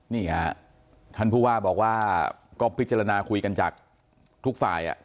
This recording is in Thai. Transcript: นี่ฮะท่านผู้ว่าบอกว่าก็พิจารณาคุยกันจากทุกฝ่าย